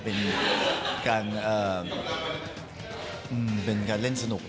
เป็นการเล่นสนุก